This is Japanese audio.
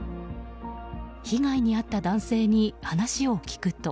被害に遭った男性に話を聞くと。